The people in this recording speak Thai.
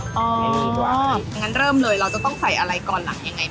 อำงั้นเริ่มเลยเราจะต้องใส่อะไรก่อนล่ะ